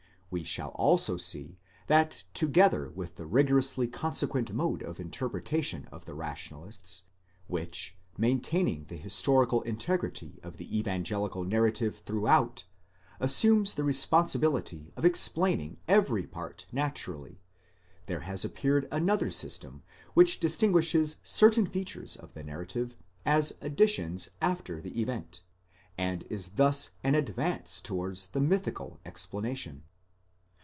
We shall also see that together with the rigorously consequent mode of interpretation of the rationa lists, —which, maintaining the historical integrity of the evangelical narrative throughout, assumes the responsibility of explaining every part naturally, there has appeared another system, which distinguishes certain features of the narrative as additions after the event, and is thus an advance towards the mythical explanation.